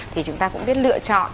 thì chúng ta cũng biết lựa chọn